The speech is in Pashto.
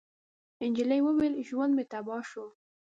نجلۍ وويل: ژوند مې تباه شو.